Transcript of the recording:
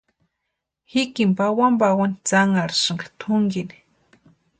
Jikini pawani pawani tsanharhisïnka tʼunkini.